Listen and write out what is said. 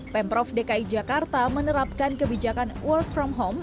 pemprov dki jakarta menerapkan kebijakan work from home